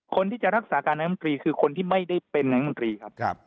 คนที่จะรักษาการนายมนตรีคือคนที่ไม่ได้เป็นนายมนตรีครับ